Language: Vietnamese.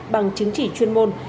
bằng chứng chỉ chuyên môn